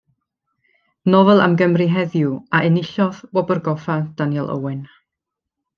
Nofel am Gymru heddiw a enillodd Wobr Goffa Daniel Owen.